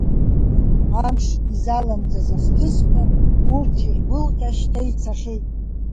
Амш, изаламӡаз ахҭысқәа, урҭ иргәылҟьа шьҭа ицахьеит.